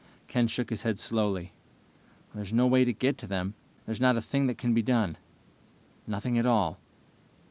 Ken shook his head slowly. "There's no way to get to them. There's not a thing that can be done. Nothing at all."